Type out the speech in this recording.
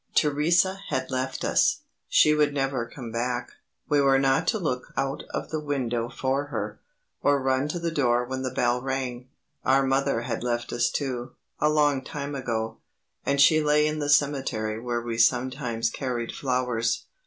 Theresa had left us. She would never come back. We were not to look out of the window for her, or run to the door when the bell rang. Our mother had left us too, a long time ago, and she lay in the cemetery where we sometimes carried flowers.